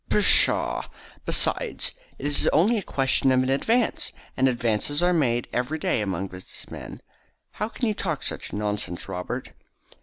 "Pshaw! Besides, it is only a question of an advance, and advances are made every day among business men. How can you talk such nonsense, Robert?"